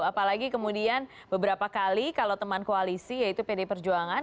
apalagi kemudian beberapa kali kalau teman koalisi yaitu pd perjuangan